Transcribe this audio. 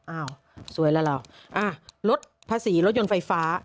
อ้าวสวยแล้วเหรอลดภาษีรถยนต์ไฟฟ้า